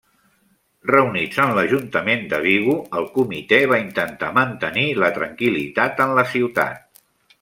Reunits en l'ajuntament de Vigo, el Comitè va intentar mantenir la tranquil·litat en la ciutat.